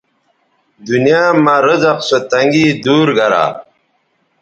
دنیاں مہ رزق سو تنگی دور گرا